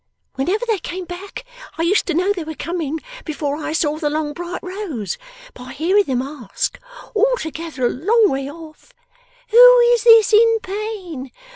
Whenever they came back, I used to know they were coming before I saw the long bright rows, by hearing them ask, all together a long way off, "Who is this in pain!